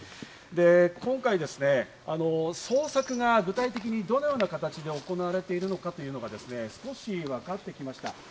今回、捜索が具体的にどのような形で行われているのかというのは少しわかってきました。